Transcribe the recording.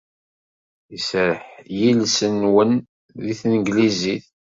Iserreḥ yiles-nwen deg tanglizit.